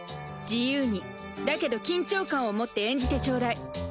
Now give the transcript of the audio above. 自由にだけど緊張感を持って演じてちょうだい。